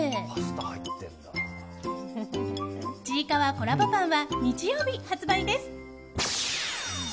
コラボパンは日曜日発売です。